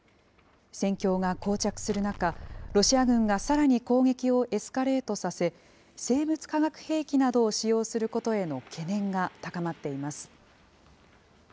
戦況がこう着する中、ロシア軍がさらに攻撃をエスカレートさせ、生物・化学兵器などを使用することへの懸念が高まっています。